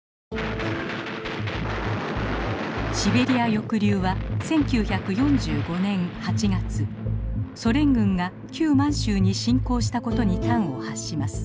シベリア抑留は１９４５年８月ソ連軍が旧満州に侵攻した事に端を発します。